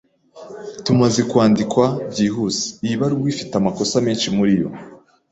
Tumaze kwandikwa byihuse, iyi baruwa ifite amakosa menshi muri yo.